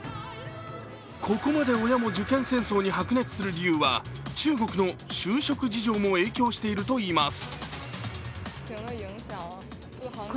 ここまで親も受験戦争に白熱する理由は中国の就職事情も影響しているといいます。